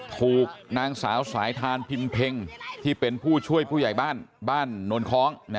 ถูกนางสาวสายทานพิมเพ็งที่เป็นผู้ช่วยผู้ใหญ่บ้านบ้านนวลคล้อง